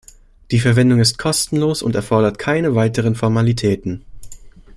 Die Verwendung ist kostenlos und erfordert keine weiteren Formalitäten.